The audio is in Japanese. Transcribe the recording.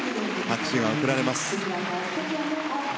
拍手が送られます。